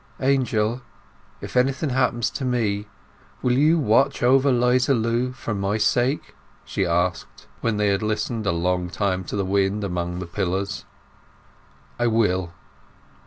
"Angel, if anything happens to me, will you watch over 'Liza Lu for my sake?" she asked, when they had listened a long time to the wind among the pillars. "I will."